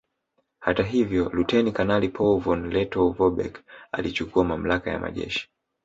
Hata hivyo Luteni Kanali Paul von Lettow Vorbeck alichukua mamlaka ya majeshi